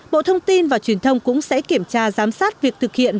bộ thông tin và truyền thông cũng sẽ kiểm tra giám sát việc thực hiện